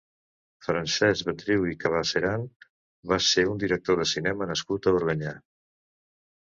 Francesc Betriu i Cabeceran va ser un director de cinema nascut a Organyà.